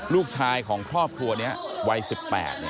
ลูกชายของครอบครัวนี้วัย๑๘